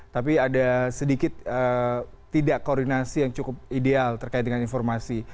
tapi ada sedikit tidak koordinasi yang cukup ideal terkait dengan informasi